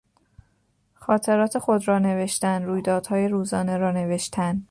خاطرات خود را نوشتن، رویدادهای روزانه را نوشتن